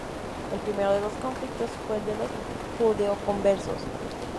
El primero de los conflictos fue el de los judeoconversos.